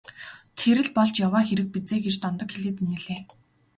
Тэр л болж яваа хэрэг биз ээ гэж Дондог хэлээд инээлээ.